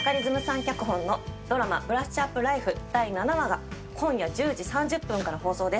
脚本のドラマ、ブラッシュアップライフ第７話が今夜１０時３０分から放送です。